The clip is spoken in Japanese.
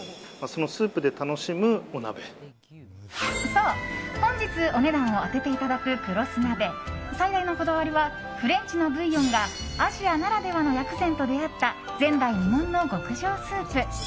そう、本日お値段を当てていただく食労寿鍋、最大のこだわりはフレンチのブイヨンがアジアならではの薬膳と出会った前代未聞の極上スープ。